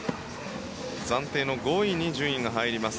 暫定の５位に順位が入ります。